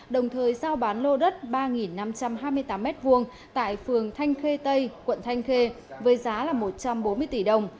đồng thời giao bán lô đất ba năm trăm hai mươi tám m hai tại phường thanh khê tây quận thanh khê với giá một trăm bốn mươi tỷ đồng